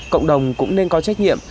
cộng đồng cũng nên có trách nhiệm